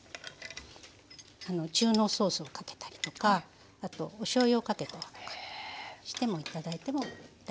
中濃ソースをかけたりとかあとおしょうゆをかけたりとかしても頂いても大丈夫です。